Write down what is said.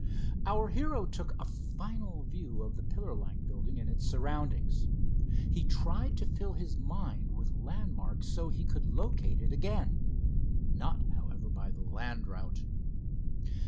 Our hero took a final view of the pillar like building and its surroundings. He tried to fill his mind with landmarks so he could locate it again. Not, however, by the land route.